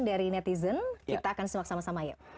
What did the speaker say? dari netizen kita akan simak sama sama yuk